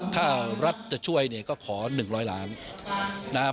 ถ้ารัฐจะช่วยก็ขอหนึ่งร้อยล้านบาทนะครับ